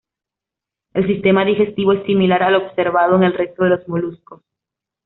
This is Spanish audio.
El sistema digestivo es similar al observado en el resto de los moluscos.